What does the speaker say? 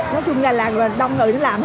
nói chung là đông người nó làm